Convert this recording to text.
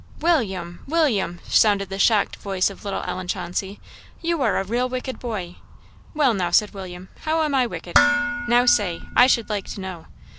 "William! William!" sounded the shocked voice of little Ellen Chauncey "you are a real wicked boy!" "Well, now!" said William, "how am I wicked? Now say I should like to know.